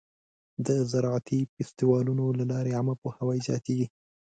د زراعتي فستیوالونو له لارې عامه پوهاوی زیاتېږي.